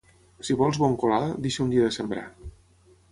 Si vols bon colar, deixa un dia de sembrar.